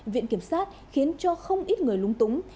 viện kiểm sát khiến cho không ít người lúng túng